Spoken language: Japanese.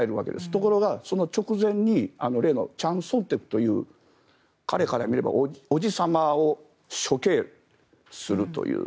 ところが、その直前に例のチャン・ソンテクという彼から見ればおじさまを処刑するという。